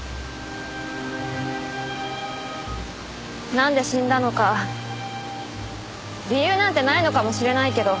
なんで死んだのか理由なんてないのかもしれないけど。